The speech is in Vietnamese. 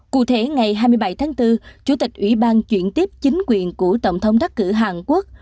cụ thể ngày hai mươi bảy tháng bốn chủ tịch ủy ban chuyển tiếp chính quyền của tổng thống đắc cử hàn quốc